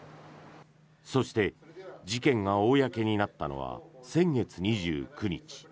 そして事件が公になったのは先月２９日。